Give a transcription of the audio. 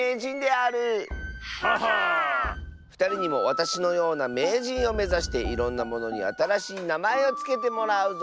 ふたりにもわたしのようなめいじんをめざしていろんなものにあたらしいなまえをつけてもらうぞ。